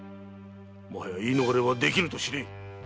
もはや言い逃れはできぬと知れ！